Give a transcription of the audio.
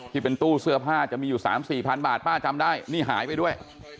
ที่เป็นตู้เสื้อผ้าจะมีอยู่๓๔พันบาทป้าจำได้นี่หายไปด้วย